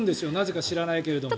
なぜか知らないけど。